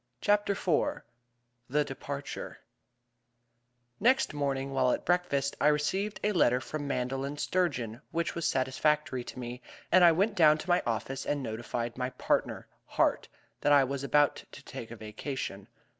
CHAPTER IV The Departure Next morning, while at breakfast, I received a letter from Mandel & Sturgeon which was satisfactory to me, and I went down to my office and notified my partner, Hart, that I was about to take a vacation.